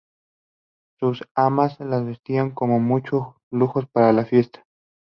Sus amas las vestían con mucho lujo para la fiesta.